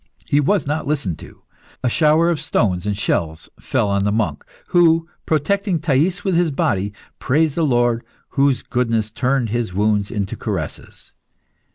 He was not listened to. A shower of stones and shells fell on the monk, who, protecting Thais with his body, praised the Lord whose goodness turned his wounds into caresses.